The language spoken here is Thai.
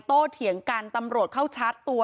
เถียงกันตำรวจเข้าชาร์จตัว